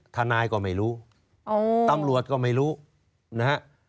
ทนายก็ไม่รู้ตำรวจก็ไม่รู้นะฮะ